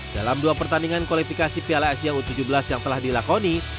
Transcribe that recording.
dalam dua pertandingan kualifikasi piala asia u tujuh belas yang telah dilakoni